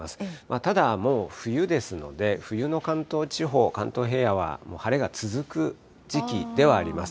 ただ、もう冬ですので、冬の関東地方、関東平野はもう晴れが続く時期ではあります。